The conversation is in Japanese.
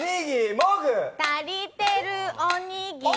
「もぐ」「足りてるおにぎり」